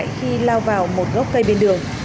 khi lao vào một gốc cây bên đường